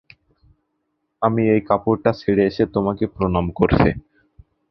আমি এই কাপড়টা ছেড়ে এসে তোমাকে প্রণাম করছি।